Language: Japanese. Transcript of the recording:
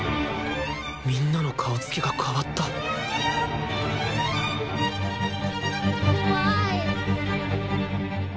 みんなの顔つきが変わった怖い。